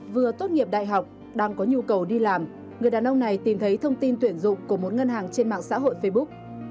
vừa tốt nghiệp đại học đang có nhu cầu đi làm người đàn ông này tìm thấy thông tin tuyển dụng của một ngân hàng trên mạng xã hội facebook